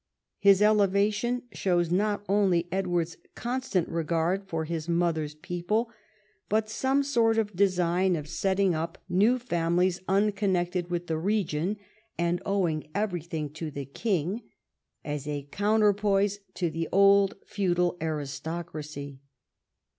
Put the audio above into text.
His elevation shows not only EdAvard's constant regard for his mother's people, but some sort of design of setting up neAV 104 EDWARD I chav. families unconnected with the region, andowingeverything to the king, as a counterpoise to the old feudal aristocracy.